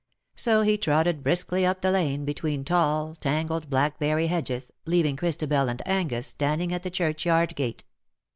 So he trotted briskly up the lane, between tall, tangled blackberry hedges, leaving Christabel and Angus standing at the churchyard gate.